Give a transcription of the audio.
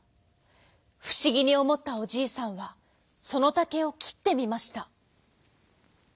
ふしぎにおもったおじいさんはそのたけをきってみました。